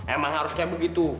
emang harus kayak begitu